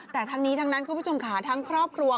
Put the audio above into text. แต่ทั้งนี้ทั้งนั้นคุณผู้ชมค่ะทั้งครอบครัว